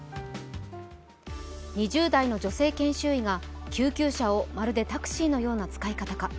２０代の女性研修医が救急車をまるでタクシーのような使い方か。